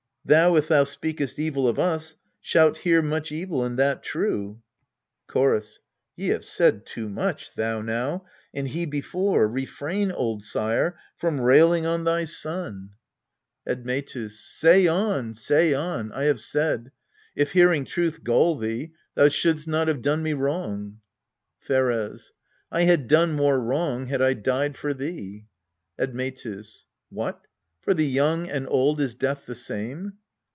Thou, if thou speakest evil Of us, shalt hear much evil, and that true. Chorus. Ye have said too much, thou now, and he before. Refrain, old sire, from railing on thy son. 222 EURIPIDES Admctus. Say on, say on ; I have said : if hearing truth Gall thee, thou shouldst not have done me wrong. Pheres. 1 had done more wrong, had 1 died for thee. Admctus. What, for the young and old is death the same?